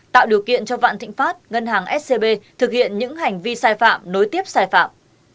tạo điều kiện cho vạn thịnh pháp ngân hàng scb thực hiện những hành vi sai phạm nối tiếp sai phạm